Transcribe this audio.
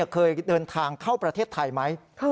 เคยเดินทางเข้าประเทศไทยไหม